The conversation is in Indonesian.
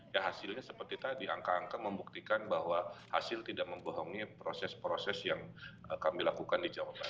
ya hasilnya seperti tadi angka angka membuktikan bahwa hasil tidak membohongi proses proses yang kami lakukan di jawa barat